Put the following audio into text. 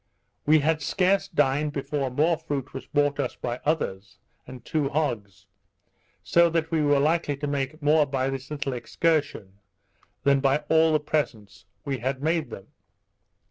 We had scarce dined before more fruit was brought us by others, and two hogs; so that we were likely to make more by this little excursion than by all the presents we had made them.